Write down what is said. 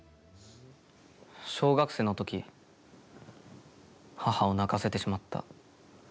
小学生のとき母を泣かせてしまった。